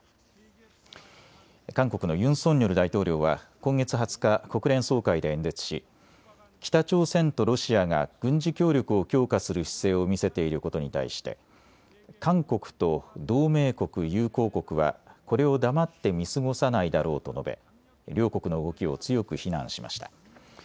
韓国のユン・ソンニョル大統領は今月２０日、国連総会で演説し北朝鮮とロシアが軍事協力を強化する姿勢を見せていることに対して韓国と同盟国・友好国はこれを黙って見過ごさないだろうと述べ両国の動きを強く非難しました。